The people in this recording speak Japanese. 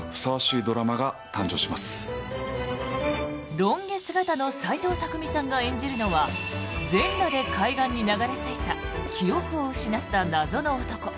ロン毛姿の斎藤工さんが演じるのは全裸で海岸に流れ着いた記憶を失った謎の男。